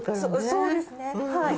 そうですねはい。